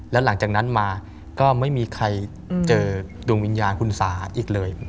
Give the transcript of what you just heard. แล้วหลังจากนั้นมาก็ไม่มีใครเจอดวงวิญญาณคุณสาอีกเลย